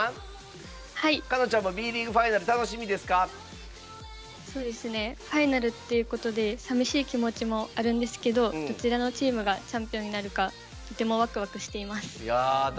かのんちゃんもＢリーグファイナルファイナルっていうことでさみしい気持ちもあるんですけどどちらのチームがチャンピオンになるかとてもワクワクしています。